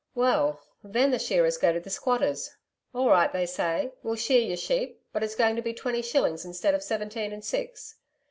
Well then, the shearers go to the squatters. "All right," say they, "we'll shear your sheep, but it's going to be twenty shillings instead of seventeen and six."